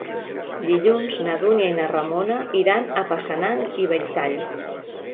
Dilluns na Dúnia i na Ramona iran a Passanant i Belltall.